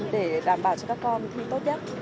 để đảm bảo cho các con thi tốt nhất